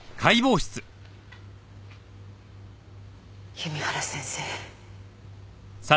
弓原先生。